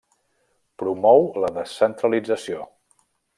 Promou la descentralització.